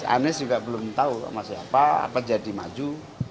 anies juga belum tahu sama siapa apa jadi maju